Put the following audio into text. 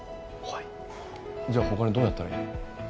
じゃあ他にどうやったらいい？